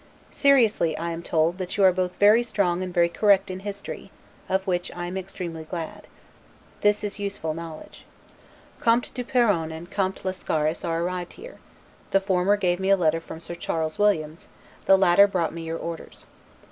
Seriously, I am told, that you are both very strong and very correct in history; of which I am extremely glad. This is useful knowledge. Comte du Perron and Comte Lascaris are arrived here: the former gave me a letter from Sir Charles Williams, the latter brought me your orders.